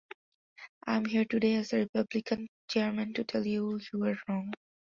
I am here today as the Republican chairman to tell you we were wrong.